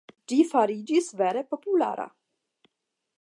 Ĝi fariĝis vere populara.